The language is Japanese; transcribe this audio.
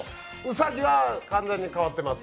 兎は完全に変わってます。